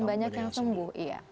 dan banyak yang sembuh iya